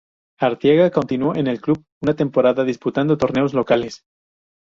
Arteaga continuó en el Club una temporada disputando torneos locales.